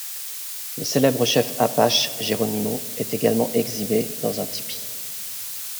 Le célèbre chef Apache Geronimo est également exhibé dans un tepee.